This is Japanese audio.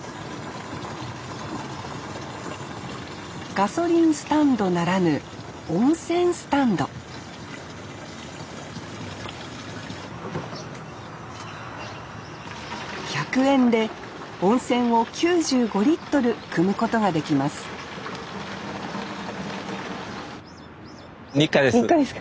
ガソリンスタンドならぬ温泉スタンド１００円で温泉を９５リットル汲むことができます日課です。